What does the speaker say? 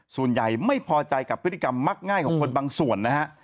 ส่วนใหญ่ไม่พอใจกับพฤติกรรมมักง่ายของคนบางส่วนนะฮะ